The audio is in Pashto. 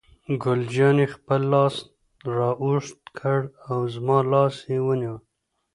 ګل جانې خپل لاس را اوږد کړ او زما لاس یې ونیو.